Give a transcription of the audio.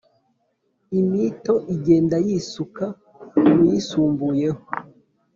imito igenda yisuka muyisumbuyeho